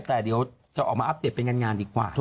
แต่เดี๋ยวจะออกมาอัปเดตเป็นงานดีกว่า